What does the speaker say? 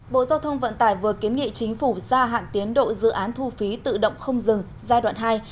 bộ giao thông vận tải vừa kiến nghị chính phủ gia hạn tiến độ dự án thu phí tự động không dừng giai đoạn hai